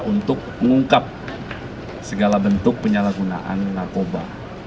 untuk mengungkap segala bentuk penyalahgunaan narkoba